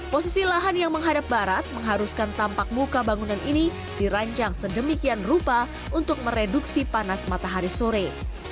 posisi lahan yang menghadap barat mengharuskan tampak muka bangunan ini dirancang sedemikian rupa untuk mereduksi panas matahari sore